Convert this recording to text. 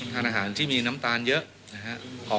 ทานอาหารที่มีน้ำตาลเยอะนะครับ